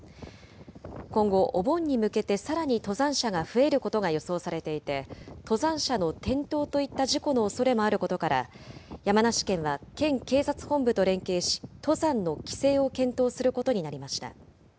今後、お盆に向けてさらに登山者が増えることが予想されていて、登山者の転倒といった事故のおそれもあることから、山梨県は県警察本部と連携し、登山の規制を検討することになりました。